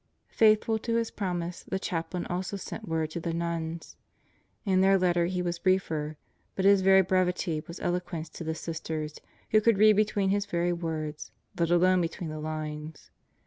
Faithful to his promise, the Chaplain also sent word to the nuns. In their letter he was briefer, but his very brevity was eloquence to the Sisters who could read between his very words, let alone between the lines.